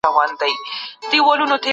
پوښ تور جوړ كړی